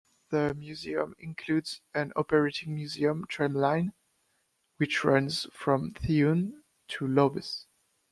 The museum includes an operating museum tram line which runs from Thuin to Lobbes.